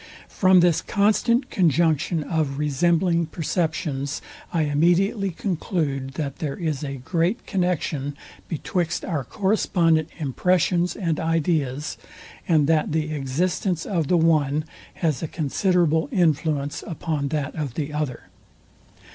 From this constant conjunction of resembling perceptions I immediately conclude, that there is a great connexion betwixt our correspondent impressions and ideas, and that the existence of the one has a considerable influence upon that of the other.